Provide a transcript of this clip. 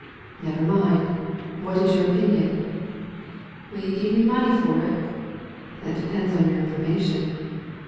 " Never mind. What is your opinion ?"" Will ye give me money for it ?"♦* That depends upon your information."